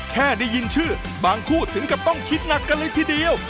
ได้ยินชื่อบางคู่ถึงกับต้องคิดหนักกันเลยทีเดียว